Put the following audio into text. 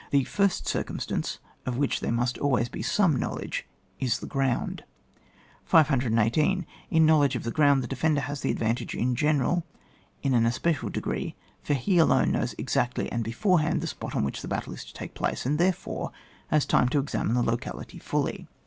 The first circum stance, of which there must always be some knowledge, is the ground. 518. In knowledge of the ground the defender has the advantage in general in an especial degree ; for he alone knows ex actly and beforehand ihe spot on which the battle is to take place; and, therefore, has time to examine the locality fully.